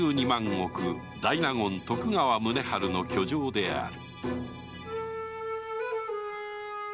石大納言・徳川宗春の居城である